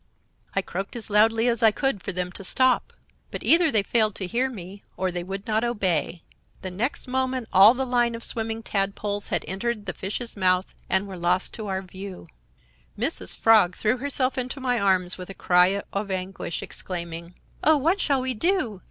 I croaked as loudly as I could for them to stop; but either they failed to hear me, or they would not obey. The next moment all the line of swimming tadpoles had entered the fish's mouth and were lost to our view. "Mrs. Frog threw herself into my arms with a cry or anguish, exclaiming: "'Oh, what shall we do?